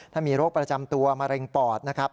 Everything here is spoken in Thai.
ถ้ามีโรคประจำตัวมะเร็งปอดนะครับ